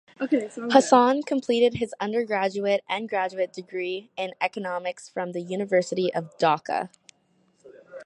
Hassan completed his undergraduate and graduate degree in Economics from the University of Dhaka.